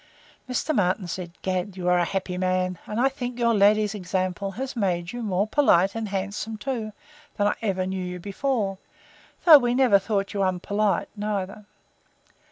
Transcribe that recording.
Mr. Martin said, Gad, sir, you are a happy man; and I think your lady's example has made you more polite and handsome too, than I ever knew you before, though we never thought you unpolite, neither.